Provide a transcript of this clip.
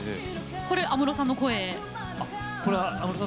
これ安室さんの声。